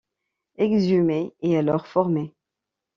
Exumer est alors formé.